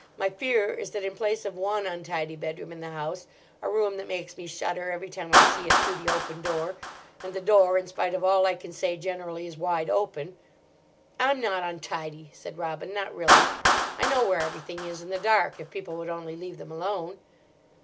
"My fear is that in place of one untidy bedroom in the house—a room that makes me shudder every time I see it through the open door; and the door, in spite of all I can say, generally is wide open—" "I'm not untidy," said Robin, "not really. I know where everything is in the dark—if people would only leave them alone."